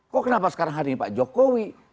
kok kenapa sekarang hari ini pak jokowi